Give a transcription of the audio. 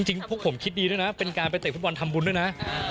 พวกผมคิดดีด้วยนะเป็นการไปเตะฟุตบอลทำบุญด้วยนะ